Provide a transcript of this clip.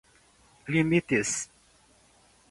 limites